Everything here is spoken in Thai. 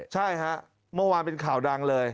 ใช่ฮะเมื่อวานเป็นข่าวดังเลย